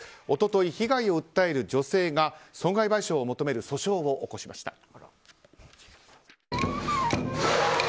一昨日、被害を訴える女性が損害賠償を求める訴訟を起こしました。